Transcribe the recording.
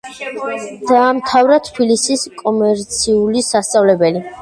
დაამთავრა თბილისის კომერციული სასწავლებელი.